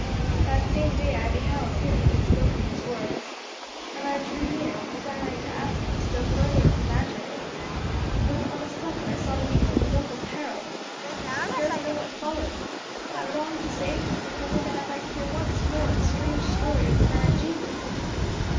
That same day I beheld him that had spoken these words; and I drew near, desiring to ask him still further of the matter, when on a sudden I saw that he was in mortal peril. I scarce know what followed; but I longed to save him, if only that I might hear once more the strange story of the man Jesus.